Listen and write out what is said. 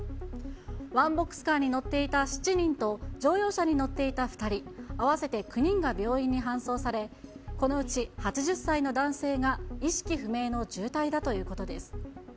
ワンボックスカーに乗っていた７人と、乗用車に乗っていた２人、合わせて９人が病院に搬送され、このうち８０歳の男性が意識不明の重体だということです。